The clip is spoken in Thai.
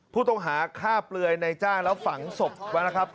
ผู้ต้องหาฆ่าเปลือยในจ้างแล้วฝังศพไว้นะครับ